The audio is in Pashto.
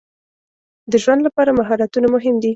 د ژوند لپاره مهارتونه مهم دي.